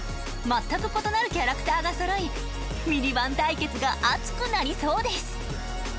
まったく異なるキャラクターがそろいミニバン対決が熱くなりそうです。